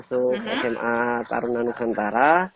sma tarunan nusantara